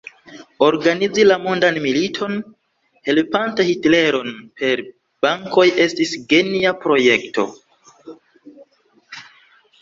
Organizi la mondan militon, helpante Hitleron per bankoj estis genia projekto.